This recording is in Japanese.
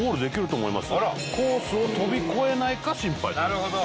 なるほど。